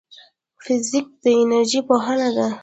فزیک د انرژۍ پوهنه ده